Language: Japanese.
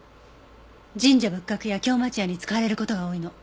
神社仏閣や京町屋に使われる事が多いの。